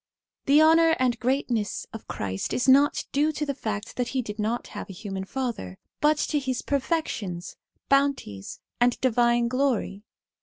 The honour and greatness of Christ is not due to the fact that he did not have a human father, but to his perfections, bounties, and divine glory.